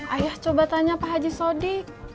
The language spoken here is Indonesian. ayah coba tanya pak haji sodik